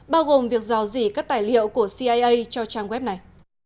bao gồm việc dò dỉ các tài liệu của cia cho trang web này